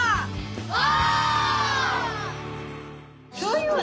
お！